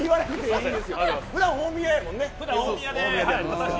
普段大宮やもんね。